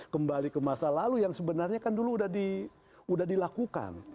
kembali ke masa lalu yang sebenarnya kan dulu udah dilakukan